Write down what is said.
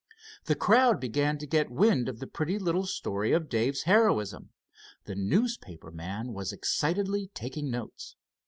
The crowd began to get wind of the pretty little story of Dave's heroism. The newspaper man was excitedly taking notes.